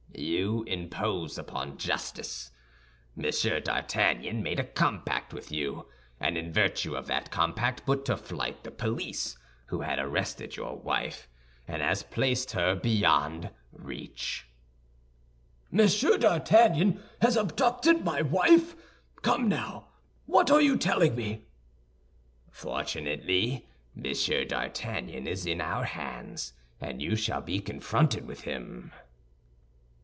"You impose upon justice. Monsieur d'Artagnan made a compact with you; and in virtue of that compact put to flight the police who had arrested your wife, and has placed her beyond reach." "M. d'Artagnan has abducted my wife! Come now, what are you telling me?" "Fortunately, Monsieur d'Artagnan is in our hands, and you shall be confronted with him."